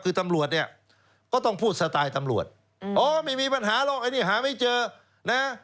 คือตำรวจเนี่ยก็ต้องพูดสไตล์ตำรวจอ๋อไม่มีปัญหาหรอกอันนี้หาไม่เจอนะ